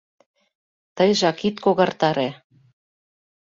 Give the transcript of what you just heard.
Тыйжак ит когартаре!